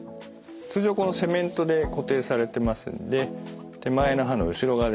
通常このセメントで固定されてますので手前の歯の後ろ側ですね。